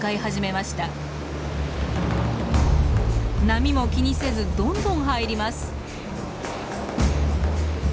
波も気にせずどんどん入ります。